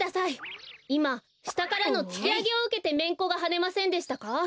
いましたからのつきあげをうけてめんこがはねませんでしたか？